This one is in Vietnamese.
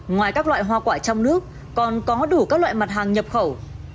ngoài các loại hoa quả trong nước còn có đủ các loại mặt hàng nhập khẩu